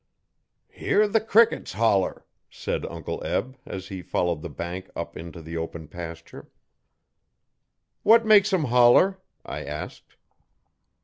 'Hear the crickets holler,' said Uncle Eb, as he followed the bank up into the open pasture. 'What makes 'em holler?' I asked.